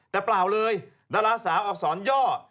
แต่เปล่าเลยดาราสาวอักษรย่อ